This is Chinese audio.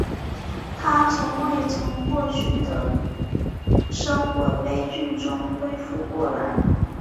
她从未从过去的生活悲剧中恢复过来。